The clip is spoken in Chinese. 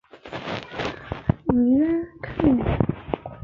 维拉克。